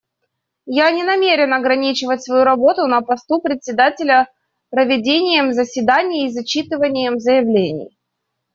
Я не намерен ограничивать свою работу на посту Председателя проведением заседаний и зачитыванием заявлений.